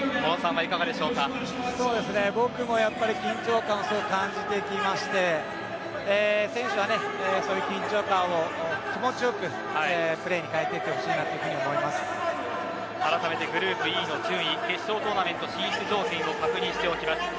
僕もやっぱり緊張感をすごい感じてきまして選手はそういう緊張感を気持ちよくプレーに変えていってほしいなあらためてグループＥの順位決勝トーナメント進出条件を確認しておきます。